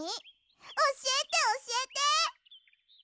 おしえておしえて！